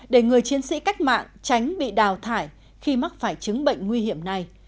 để người chiến sĩ cách mạng tránh bị đào thải khi mắc phải chứng bệnh nguy hiểm này